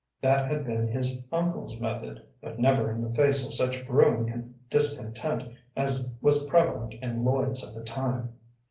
That had been his uncle's method, but never in the face of such brewing discontent as was prevalent in Lloyd's at that time.